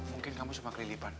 mungkin kamu cuma kelilipan